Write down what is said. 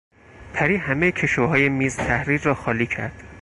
پری همهی کشوهای میز تحریر را خالی کرد.